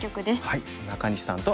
はい。